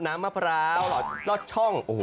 น้ำมะพร้าวลอดช่อง